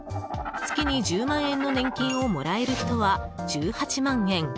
月に１０万円の年金をもらえる人は、１８万円。